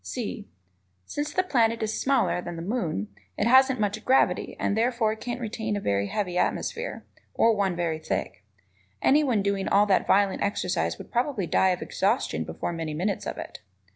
(c) Since the planet is smaller than the moon, it hasn't much gravity and therefore can't retain a very heavy atmosphere, or one very thick. Anyone doing all that violent exercise would probably die of exhaustion before many minutes of it.